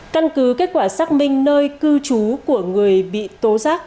căn cứ kết quả xác minh nơi cư trú của người bị tố giác